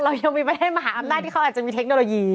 เรายังมีประเทศมหาอำนาจที่เขาอาจจะมีเทคโนโลยี